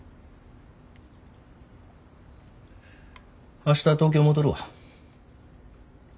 明日東京戻るわ。